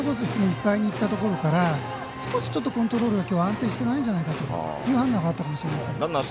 低めいっぱいにいったところから少しコントロールがきょう安定してないんじゃないかという判断があったかもしれません。